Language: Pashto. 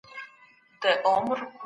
د ماشومانو حقونه باید خوندي وي.